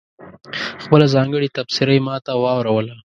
خپله ځانګړې تبصره یې ماته واوروله.